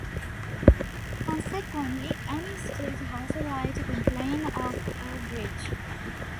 Consequently, any state has the right to complain of a breach.